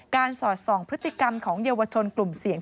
สอดส่องพฤติกรรมของเยาวชนกลุ่มเสี่ยง